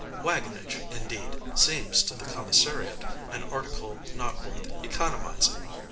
Wagonage, indeed, seems to the commissariat, an article not worth economizing.